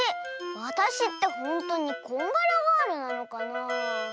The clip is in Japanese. わたしってほんとにこんがらガールなのかなあ。